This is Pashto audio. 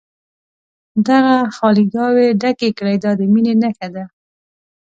دغه خالي ګاوې ډکې کړي دا د مینې نښه ده.